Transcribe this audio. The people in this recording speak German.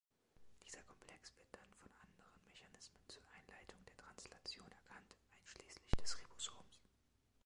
Dieser Komplex wird dann von anderen Mechanismen zur Einleitung der Translation erkannt, einschließlich des Ribosoms.